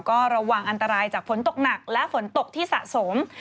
ก็ระวังอันตรายจากฝนตกหนักและฝนตกที่สะสม